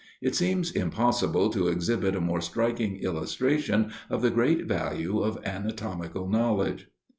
It seems impossible to exhibit a more striking illustration of the great value of anatomical knowledge.